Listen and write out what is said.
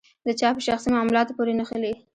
د چا په شخصي معاملاتو پورې نښلي.